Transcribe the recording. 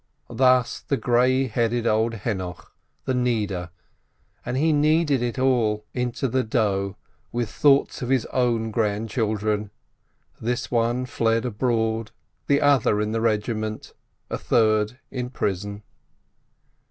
Thus the grey headed old Henoch, the kneader, and he kneaded it all into the dough, with thoughts of his own grandchildren : this one fled abroad, the other in the regiment, and a third in prison.